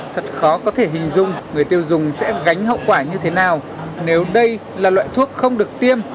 thật khó có thể hình dung người tiêu dùng sẽ gánh hậu quả như thế nào nếu đây là loại thuốc không được tiêm